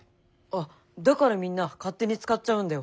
あっだからみんな勝手に使っちゃうんだよ。